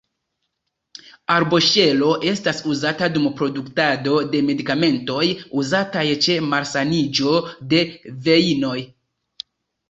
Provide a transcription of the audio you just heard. Arboŝelo estas uzata dum produktado de medikamentoj, uzataj ĉe malsaniĝo de vejnoj.